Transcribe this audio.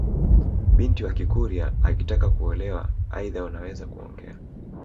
Binti wa kikurya akitaka kuolewa aidha unaweza kuongea